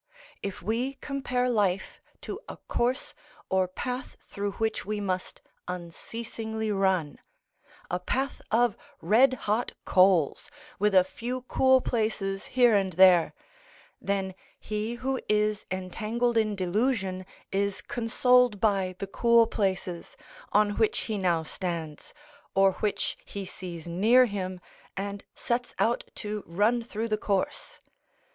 If we compare life to a course or path through which we must unceasingly run—a path of red hot coals, with a few cool places here and there; then he who is entangled in delusion is consoled by the cool places, on which he now stands, or which he sees near him, and sets out to run through the course.